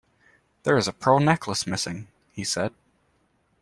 "There is a pearl necklace missing," he said.